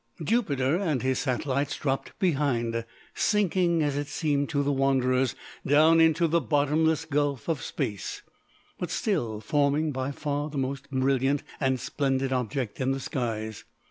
Jupiter and his satellites dropped behind, sinking, as it seemed to the wanderers, down into the bottomless gulf of Space, but still forming by far the most brilliant and splendid object in the skies.